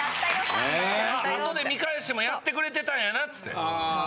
あとで見返してもやってくれてたんやなっつって。